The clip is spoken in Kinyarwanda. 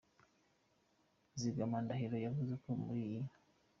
Zigama Ndahiro yavuze ko muri iyi.